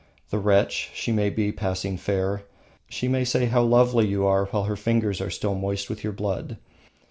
The wretch, she may be passing fair. She may say how lovely you are while her fingers are still moist with your blood.